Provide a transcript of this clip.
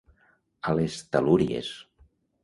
A les talúries.